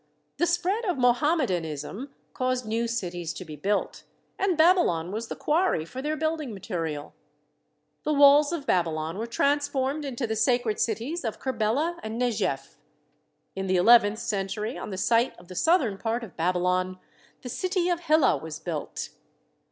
The spread of Mohammedan ism caused new cities to be built, and Babylon was the quarry for their building material. The walls of Babylon were transformed into the sacred cities of Kerbela and Nejef . In the eleventh cen 68 THE SEI/EN WONDERS tury, on the site of the southern part of Babylon, the city of Hillah was built.